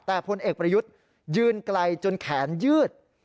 แต่พลเอกประยุทธ์ยืนไกลจนแขนยืด